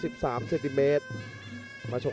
มีความรู้สึกว่า